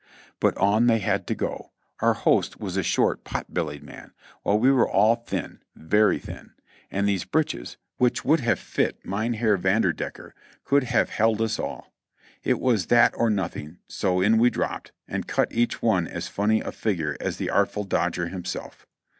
But on they had to go; our host was a short, pot bellied man, while we were all thin, very thin; and those breeches, which would have fit Mynheer Vanderdecker, could have held us all. It was that or nothing, so in we dropped, and cut each one as funny a figure as the "Artful Dodger" himself.